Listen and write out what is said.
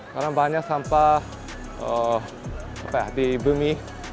karena banyak sampah di bumi